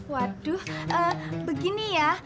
waduh begini ya